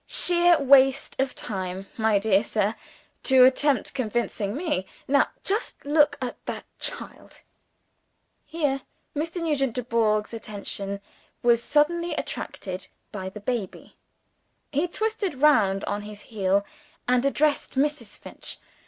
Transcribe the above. Sheer waste of time, my dear sir, to attempt convincing Me. Now, just look at that child!" Here Mr. Nugent Dubourg's attention was suddenly attracted by the baby. He twisted round on his heel, and addressed Mrs. Finch.